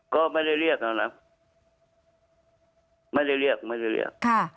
ก็ไม่ได้เรียกแล้วนะไม่ได้เรียกไม่ได้เรียก